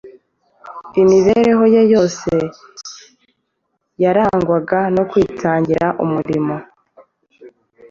Imibereho ye yose yarangwaga no kwitangira umurimo.